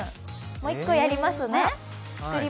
もう１個やりますね。